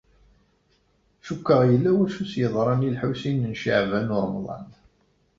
Cukkeɣ yella wacu s-yeḍran i Lḥusin n Caɛban u Ṛemḍan.